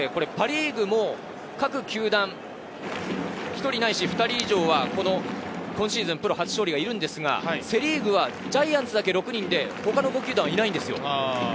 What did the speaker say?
実は面白くて、パ・リーグも各球団１人ないし２人以上は今シーズン、プロ初勝利がいるんですがセ・リーグはジャイアンツだけ６人で他の５球団はいないんですよ。